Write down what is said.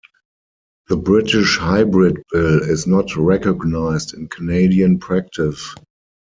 The British hybrid bill is not recognized in Canadian practice.